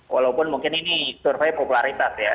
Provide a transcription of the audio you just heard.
walaupun mungkin ini survei popularitas ya